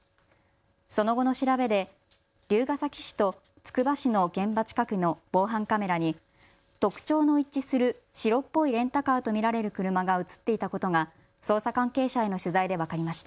その後の調べで龍ケ崎市とつくば市の現場近くの防犯カメラに特徴の一致する白っぽいレンタカーと見られる車が写っていたことが捜査関係者への取材で分かりました。